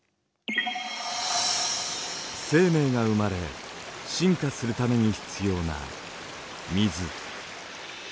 生命が生まれ進化するために必要な水。